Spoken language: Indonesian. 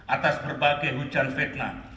atas berbagai hujan fitnah